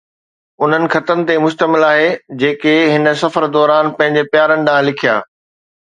انهن خطن تي مشتمل آهي جيڪي هن سفر دوران پنهنجن پيارن ڏانهن لکيا